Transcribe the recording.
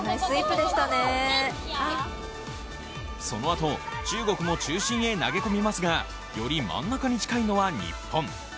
その後、中国も中心へ投げ込みますがより真ん中に近いのは日本。